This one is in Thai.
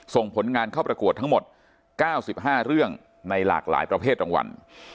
ส่งผลงานเข้าประกวดทั้งหมด๙๕เรื่องในหลากหลายประเภทรางวัล